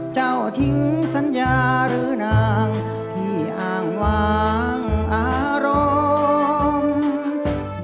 เจ้าทิ้งสัญญาหรือนางที่อ้างวางอารมณ์